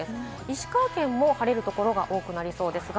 石川県も晴れる所が多くなりそうです。